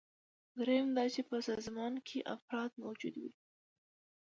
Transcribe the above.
دریم دا چې په سازمان کې افراد موجود وي.